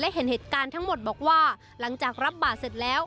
เห็นเหตุการณ์ทั้งหมดบอกว่าหลังจากรับบ่าเสร็จแล้ว